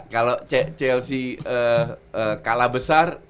kalau chelsea kalah besar